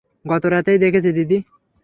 গত রাতেই দেখেছি, দিদি।